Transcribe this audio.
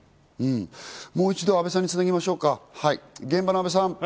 もう一度、阿部さんにつなぎましょう、現場の阿部さん。